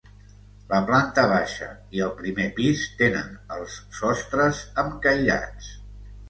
La planta baixa i el primer pis tenen els sostres amb cairats.